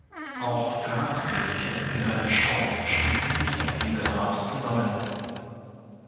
Auch Gasbläschen in einem Schaum schließen sich auf diese Art zusammen.